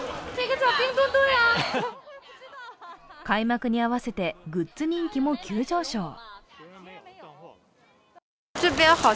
開幕に合わせてグッズ人気も急上昇。